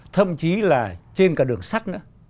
thậm chí là trên cả đường sắt